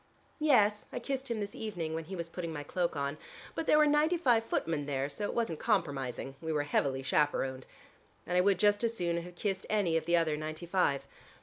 "Yes, I kissed him this evening, when he was putting my cloak on, but there were ninety five footmen there so it wasn't compromising: we were heavily chaperoned. And I would just as soon have kissed any of the other ninety five.